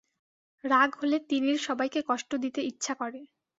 রাগ হলে তিনিীর সবাইকে কষ্ট দিতে ইচ্ছা করে।